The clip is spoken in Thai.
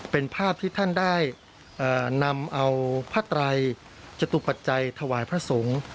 เป็นภาพที่ท่านได้นำเอาพระไตรจตุปัจจัยถวายพระสงฆ์